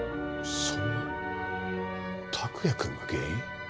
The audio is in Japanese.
そんな拓也くんが原因？